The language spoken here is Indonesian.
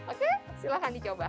oke silahkan dicoba